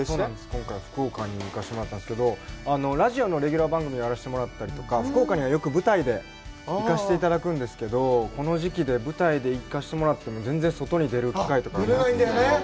今回は福岡に行かせてもらったんですけど、ラジオのレギュラー番組をやらせてもらったりとか、福岡にはよく舞台で行かせていただくんですけど、この時期で舞台で行かせてもらっても全然外に出る機会とかがなくて。